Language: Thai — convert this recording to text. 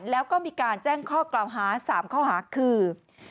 แล้วก็มีการแจ้งข้อกล่าวหา๓ข้อหาคือ